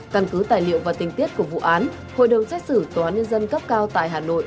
căn cứ tài liệu và tình tiết của vụ án hội đồng xét xử tòa án nhân dân cấp cao tại hà nội